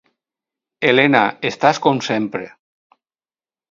Elena, estàs com sempre...